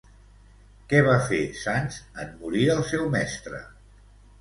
Què va fer Sans en morir el seu mestre?